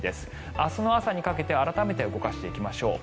明日の朝にかけて改めて動かしていきましょう。